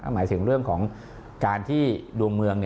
หมายถึงเรื่องของการที่ดวงเมือง